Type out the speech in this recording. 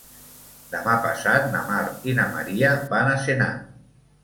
Demà passat na Mar i na Maria van a Senan.